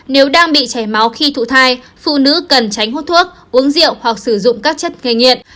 nếu đang bị chảy máu khi thụ thai phụ nữ cần tránh hút thuốc uống rượu hoặc sử dụng các chất gây nghiện